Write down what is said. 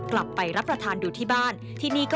กลับไปรับประทานดูที่บ้าน